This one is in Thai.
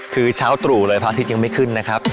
คือเช้าตรู่เลยพระอาทิตย์ยังไม่ขึ้นนะครับ